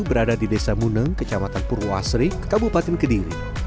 berada di desa muneng kecamatan purwasri kabupaten kediri